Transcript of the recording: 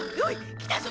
来たぞ！